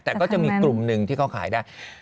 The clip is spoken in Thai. แต่ก็จะมีกลุ่มหนึ่งที่เขาขายได้